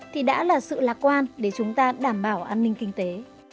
thì đã là sự lạc quan để chúng ta đảm bảo an ninh kinh tế